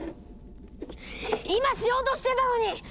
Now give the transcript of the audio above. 今しようとしてたのに！